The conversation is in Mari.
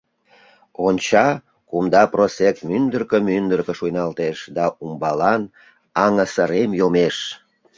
Онча: кумда просек мӱндыркӧ-мӱндыркӧ шуйналтеш да умбалан аҥысырем йомеш.